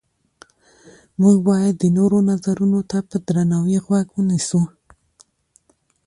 موږ باید د نورو نظرونو ته په درناوي غوږ ونیسو